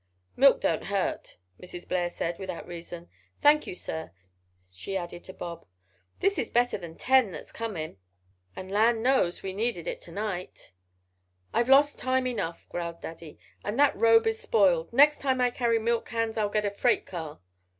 "Milk don't hurt," Mrs. Blair said, without reason. "Thank you, sir," she added to Bob. "This is better than ten that's comin'. And land knows we needed it to night." "I've lost time enough," growled Daddy. "And that robe is spoiled. Next time I carry milk cans I'll get a freight car."